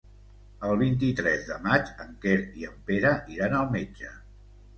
El vint-i-tres de maig en Quer i en Pere iran al metge.